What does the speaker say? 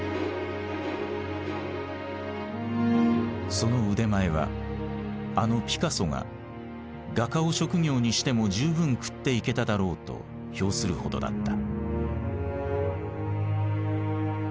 その腕前はあのピカソが「画家を職業にしても十分食っていけただろう」と評するほどだった。